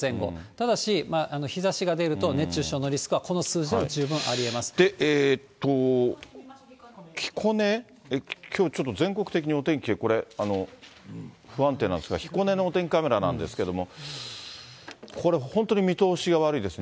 ただし、日ざしが出ると熱中症のリスクはこの数字でも十分ありえで、彦根、きょう、ちょっと全国的にお天気、これ、不安定なんですが、彦根のお天気カメラなんですが、これ本当に見通しが悪いです。